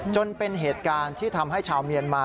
จนเป็นเหตุการณ์ที่ทำให้ชาวเมียนมา